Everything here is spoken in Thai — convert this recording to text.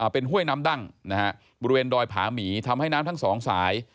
เป็นห้วยน้ำดั้งบริเวณดอยผาหมีทำให้น้ำทั้งสองสาย